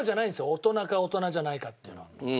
大人か大人じゃないかっていうのは。